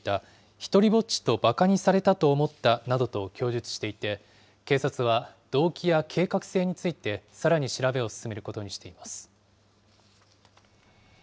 独りぼっちとばかにされたと思ったなどと供述していて、警察は動機や計画性についてさらに調べを進めることにしています。